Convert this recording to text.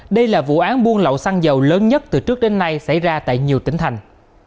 đây là vụ án buôn lậu xăng dầu lớn nhất từ trước đến nay xảy ra tại nhiều tỉnh thành